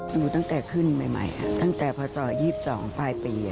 ดูตั้งแต่ขึ้นใหม่ตั้งแต่พศ๒๒ปลายปี